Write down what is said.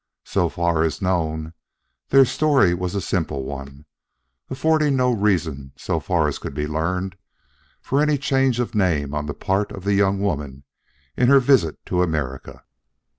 So far as known, their story was a simple one, affording no reason, so far as could be learned, for any change of name on the part of the young woman, in her visit to America.